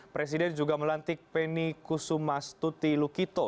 presiden juga melantik penny kusumastuti lukito